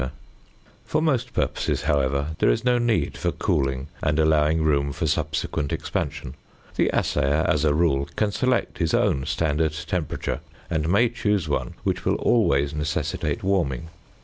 [Illustration: FIG. 36.] For most purposes, however, there is no need for cooling and allowing room for subsequent expansion. The assayer, as a rule, can select his own standard temperature, and may choose one which will always necessitate warming.